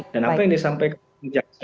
dan apa yang disampaikan